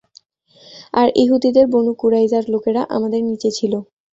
আর ইহুদীদের বনু কুরাইজার লোকেরা আমাদের নিচে ছিল।